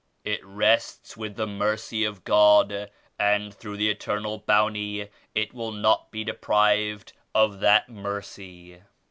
"It rests with the Mercy of God and through the Eternal Bounty it will not be de prived of that Mercy."